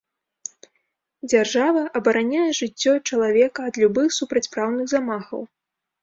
Дзяржава абараняе жыццё чалавека ад любых супрацьпраўных замахаў.